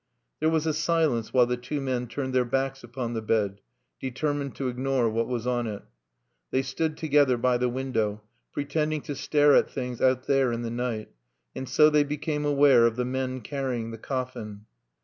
There was a silence while the two men turned their backs upon the bed, determined to ignore what was on it. They stood together by the window, pretending to stare at things out there in the night; and so they became aware of the men carrying the coffin.